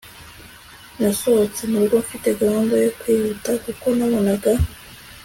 nasohotse murugo mfite gahunda yo kwihuta kuko nabonaga